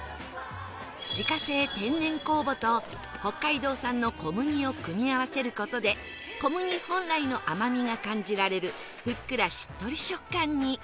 自家製天然酵母と北海道産の小麦を組み合わせる事で小麦本来の甘みが感じられるふっくらしっとり食感に